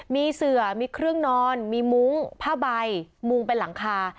มีเสือมีเครื่องนอนมีมุ้งผ้าใบมุงเป็นหลังคา